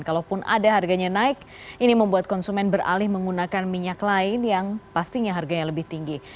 kalaupun ada harganya naik ini membuat konsumen beralih menggunakan minyak lain yang pastinya harganya lebih tinggi